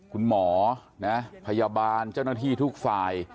คุณหมอนะพยาบาลเจ้าหน้าที่ทุกฝ่าย